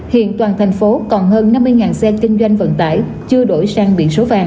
hiện toàn thành phố còn hơn năm mươi xe kinh doanh vận tải chưa đổi sang biển số vàng